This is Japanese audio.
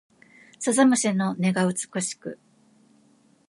鈴虫の音が美しく